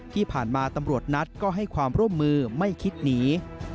ที่ผ่านมาตำรวจนัทก็ให้ความร่วมมือไม่คิดหนี